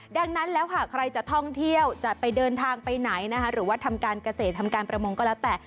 ดังนั้นแล้วหากใครจะท่องเที่ยวจะไปเดินทางไปไหนนะคะหรือว่าทำการเกษตรทำการประมงก็แล้วแต่